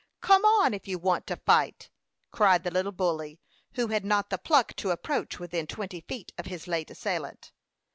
"Come on, if you want to fight," cried the little bully, who had not the pluck to approach within twenty feet of his late assailant.